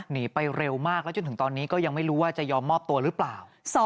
หนีไปเร็วมากแล้วจนถึงตอนนี้ก็ยังไม่รู้ว่าจะยอมมอบตัวหรือเปล่า